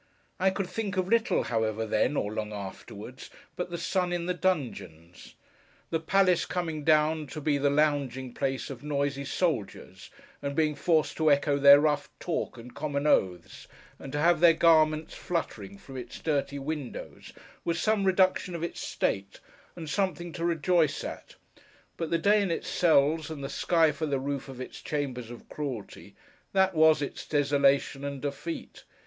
I could think of little, however, then, or long afterwards, but the sun in the dungeons. The palace coming down to be the lounging place of noisy soldiers, and being forced to echo their rough talk, and common oaths, and to have their garments fluttering from its dirty windows, was some reduction of its state, and something to rejoice at; but the day in its cells, and the sky for the roof of its chambers of cruelty—that was its desolation and defeat!